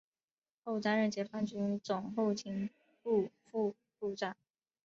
后担任解放军总后勤部副部长。